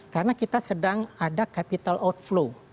karena kita sedang ada capital outflow